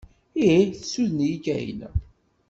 Ih tessuden-iyi Kahina!